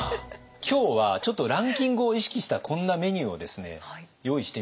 今日はちょっとランキングを意識したこんなメニューを用意してみました。